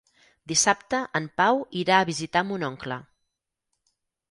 Dissabte en Pau irà a visitar mon oncle.